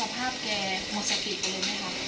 แล้วก็ช่วยกันนำนายธีรวรรษส่งโรงพยาบาล